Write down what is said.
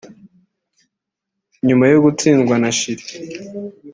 nyuma yo gutsindwa na Chili